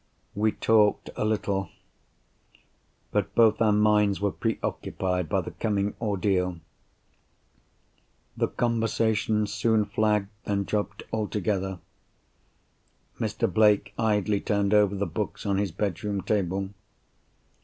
We talked a little; but both our minds were preoccupied by the coming ordeal. The conversation soon flagged—then dropped altogether. Mr. Blake idly turned over the books on his bedroom table.